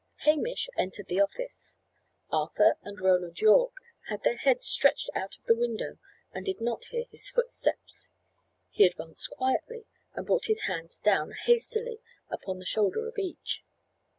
Hamish entered the office. Arthur and Roland Yorke had their heads stretched out of the window, and did not hear his footsteps. He advanced quietly and brought his hands down hastily upon the shoulder of each.